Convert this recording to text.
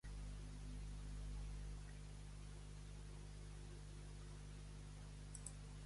Què estudia aquest centre?